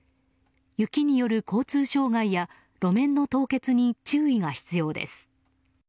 雪による交通障害や路面の凍結に注意が必要です。